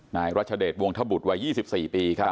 นายรัชเดชวงธบุตรวัย๒๔ปีครับ